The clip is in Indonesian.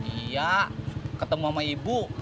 iya ketemu sama ibu